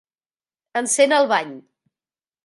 Encén el bany.